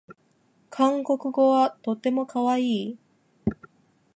韓国語はとてもかわいい